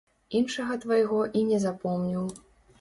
Іншага твайго і не запомніў.